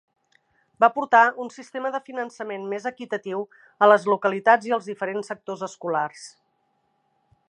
Va portar un sistema de finançament més equitatiu a les localitats i als diferents sectors escolars.